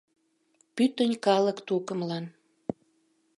Пӱтынь калык тукымлан